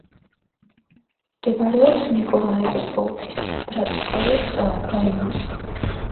მდებარეობს ნიკოლაევის ოლქის ბრატსკოეს რაიონში.